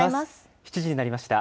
７時になりました。